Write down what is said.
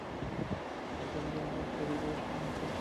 এদের অযৌন জনন প্রক্রিয়া দুই প্রকারে সম্পন্ন হতে পারে।